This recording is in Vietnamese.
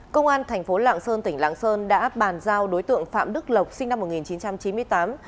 công an thành phố lạng sơn tỉnh lạng sơn đã bàn giao đối tượng phạm đức lộc sinh năm một nghìn chín trăm chín mươi tám